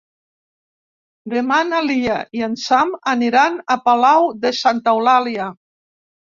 Demà na Lia i en Sam aniran a Palau de Santa Eulàlia.